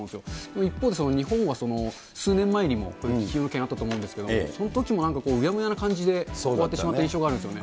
一方で、日本は数年前にも気球の件あったと思うんですけど、そのときもなんかうやむやな感じで終わってしまった印象があるんですよね。